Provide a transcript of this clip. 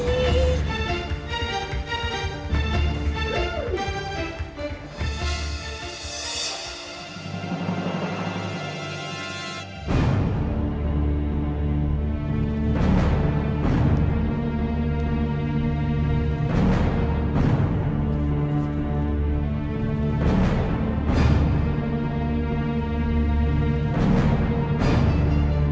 mak mak mak mak